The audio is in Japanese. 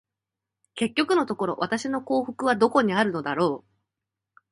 結局のところ、私の幸福はどこにあるのだろう。